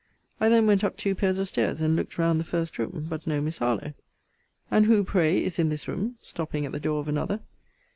I then went up two pairs of stairs, and looked round the first room: but no Miss Harlowe. And who, pray, is in this room? stopping at the door of another.